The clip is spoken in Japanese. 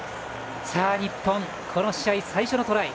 日本、この試合最初のトライ。